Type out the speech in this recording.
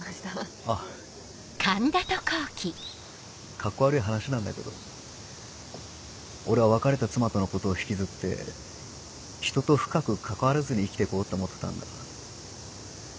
カッコ悪い話なんだけど俺は別れた妻とのことを引きずって人と深く関わらずに生きていこうって思ってたんだ。